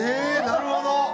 なるほど。